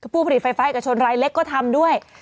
ผู้ผลิตไฟฟ้าเอกชนรายเล็กก็ทำด้วย